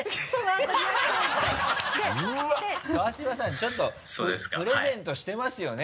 ちょっとプレゼントしてますよね？